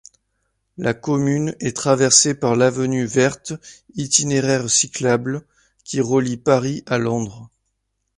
La commune est traversée par l'Avenue verte, itinéraire cyclable qui relie Paris à Londres.